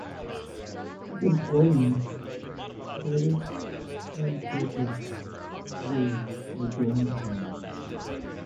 You can call me Regis and Kathie Lee; I don't care!